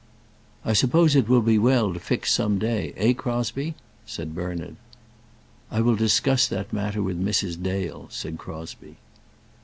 "I suppose it will be well to fix some day; eh, Crosbie?" said Bernard. "I will discuss that matter with Mrs. Dale," said Crosbie.